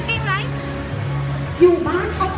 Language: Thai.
พี่สานถาม